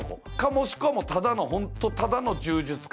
もしくはホントただの柔術家。